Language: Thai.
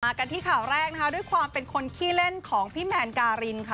กันที่ข่าวแรกนะคะด้วยความเป็นคนขี้เล่นของพี่แมนการินค่ะ